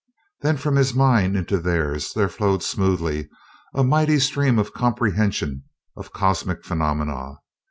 Then from his mind into theirs there flowed smoothly a mighty stream of comprehension of cosmic phenomena.